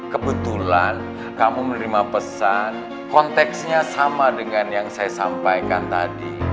kebetulan kamu menerima pesan konteksnya sama dengan yang saya sampaikan tadi